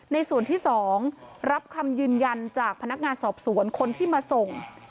ในส่วนที่๒รับคำยืนยันจากพนักงานสอบสวนคนที่มาส่ง